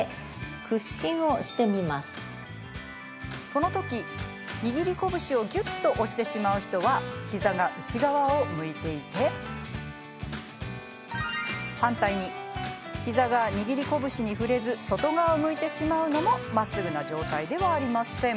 このとき、握り拳をぎゅっと押してしまう人は膝が内側を向いていて反対に膝が握り拳に触れず外側を向いてしまうのもまっすぐな状態ではありません。